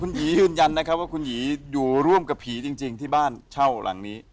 หยียืนยันนะครับว่าคุณหยีอยู่ร่วมกับผีจริงที่บ้านเช่าหลังนี้